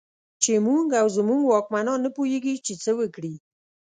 چې موږ او زموږ واکمنان نه پوهېږي چې څه وکړي.